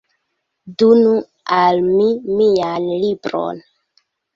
Donu al mi mian libron!